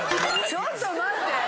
ちょっと待って！